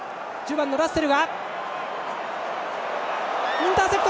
インターセプト！